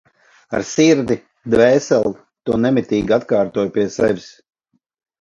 Ar sirdi, dvēseli, to nemitīgi atkārtoju pie sevis.